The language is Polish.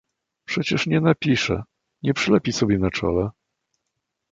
"Przecież nie napisze, nie przylepi sobie na czole?"